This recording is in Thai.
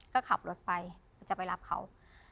ก็ขับรถไปจะไปรับเขา